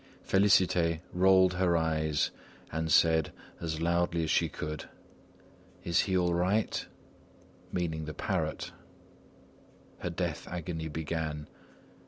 Félicité rolled her eyes and said as loudly as she could: "Is he all right?" meaning the parrot. Her death agony began.